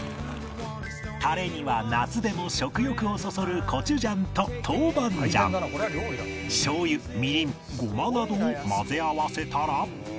タレには夏でも食欲をそそるコチュジャンと豆板醤醤油みりんゴマなどを混ぜ合わせたら